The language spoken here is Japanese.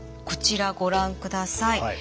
こちらご覧ください。